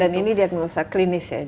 dan ini diagnosa klinis ya